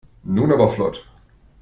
Nun aber flott!